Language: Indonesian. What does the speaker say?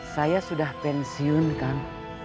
saya sudah pensiun kang